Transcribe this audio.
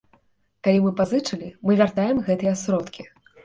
Калі мы пазычылі, мы вяртаем гэтыя сродкі.